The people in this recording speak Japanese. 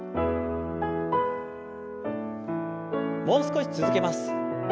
もう少し続けます。